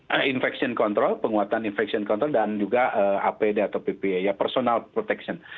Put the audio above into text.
penguatan vaksin control penguatan vaksin control dan juga apd atau ppa personal protection